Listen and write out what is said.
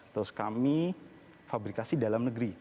terus kami pabrikasi dalam negeri